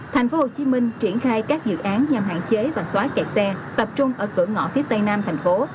tp hcm triển khai các dự án nhằm hạn chế và xóa kẹt xe tập trung ở cửa ngõ phía tây nam thành phố